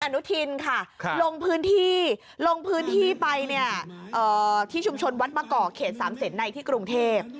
อนุทินค่ะลงพื้นที่ลงพื้นที่ไปเนี่ยที่ชุมชนวัดมะกอกเขตสามเศษในที่กรุงเทพ